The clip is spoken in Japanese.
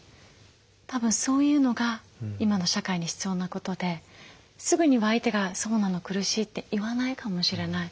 たぶんそういうのが今の社会に必要なことですぐには相手が「そうなの苦しい」って言わないかもしれない。